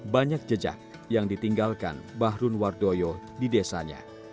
banyak jejak yang ditinggalkan bahrun wardoyo di desanya